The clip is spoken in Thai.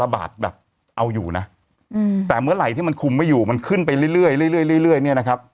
บาทแบบเอาอยู่นะแต่เมื่อไหร่ที่มันคุมไม่อยู่มันขึ้นไปเรื่อยเนี่ยนะครับ